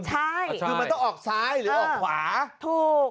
ใช่คือมันต้องออกซ้ายหรือออกขวาถูก